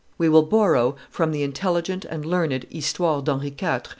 We will borrow from the intelligent and learned _Histoire d'Henri IV.